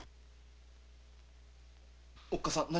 おっかさん